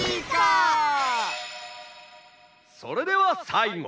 「それではさいご。